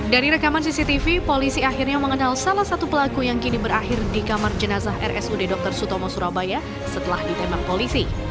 dari rekaman cctv polisi akhirnya mengenal salah satu pelaku yang kini berakhir di kamar jenazah rsud dr sutomo surabaya setelah ditembak polisi